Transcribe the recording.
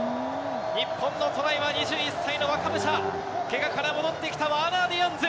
日本のトライは２１歳の若武者、けがから戻ってきたワーナー・ディアンズ。